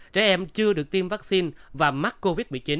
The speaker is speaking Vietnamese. trẻ em chưa được tiêm vaccine và mắc covid một mươi chín